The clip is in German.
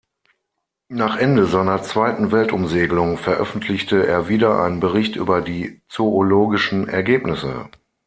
Nach Ende seiner zweiten Weltumsegelung veröffentlichte er wieder einen Bericht über die zoologischen Ergebnisse.